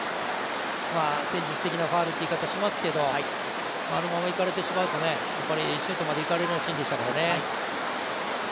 戦術的なファウルという言い方もしますけどあのままいかれてしまうと、シュートまで行かれてしまうシーンでしたからね。